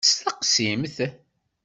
Steqsimt!